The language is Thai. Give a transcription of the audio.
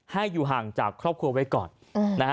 ให้อยู่ห่างจากครอบครัวไว้ก่อน